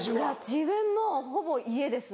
自分もほぼ家ですね。